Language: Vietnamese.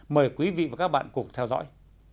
mời quý vị và các bạn cùng theo dõi